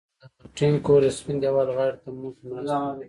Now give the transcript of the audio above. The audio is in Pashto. د خټین کور د سپین دېوال غاړې ته موږ ناست وو